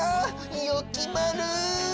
よきまる！